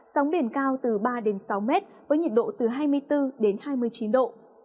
sóng biển cao từ ba sáu m với nhiệt độ từ hai mươi bốn hai mươi chín độ